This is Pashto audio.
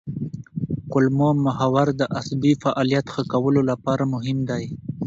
کولمو محور د عصبي فعالیت ښه کولو لپاره مهم دی.